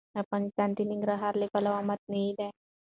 افغانستان د ننګرهار له پلوه متنوع دی.